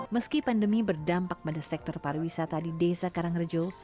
meski pandemi berdampak pada sektor pariwisata di desa karangrejo